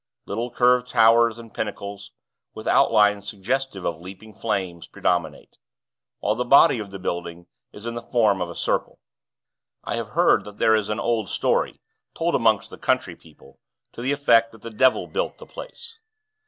Little curved towers and pinnacles, with outlines suggestive of leaping flames, predominate; while the body of the building is in the form of a circle. I have heard that there is an old story, told amongst the country people, to the effect that the devil built the place.